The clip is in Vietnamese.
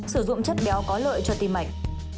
sử dụng chất béo có lợi cho tim mệnh